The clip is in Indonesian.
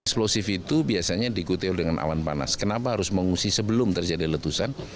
explosif itu biasanya dikutip dengan awan panas kenapa harus mengungsi sebelum terjadi letusan